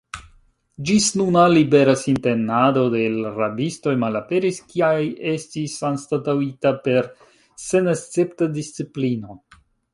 Ĝisnuna libera sintenado de l' rabistoj malaperis kaj estis anstataŭita per senescepta disciplino.